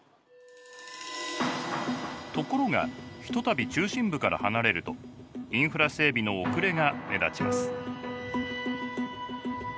ところがひとたび中心部から離れるとインフラ整備の遅れが目立ちます。